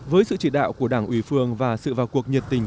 với sự chỉ đạo của đảng ủy phường và sự vào cuộc nhiệt tình